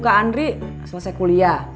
kak andri selesai kuliah